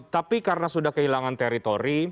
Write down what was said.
tapi karena sudah kehilangan teritori